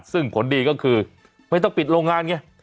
ซึ่งผลดีก็คือไม่ต้องปิดโรงงานไง